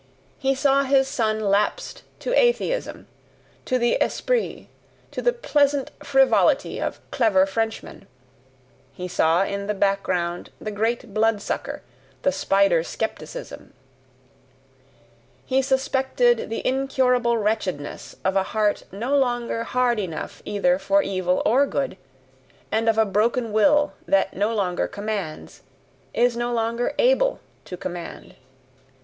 He saw his son lapsed to atheism, to the ESPRIT, to the pleasant frivolity of clever Frenchmen he saw in the background the great bloodsucker, the spider skepticism; he suspected the incurable wretchedness of a heart no longer hard enough either for evil or good, and of a broken will that no longer commands, is no longer ABLE to command.